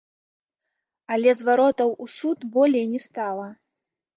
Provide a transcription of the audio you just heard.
Але зваротаў у суд болей не стала.